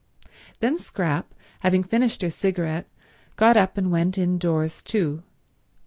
Then Scrap, having finished her cigarette, got up and went indoors too.